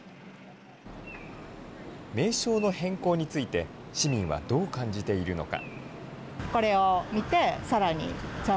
名称の変更について、市民はどう感じているのか。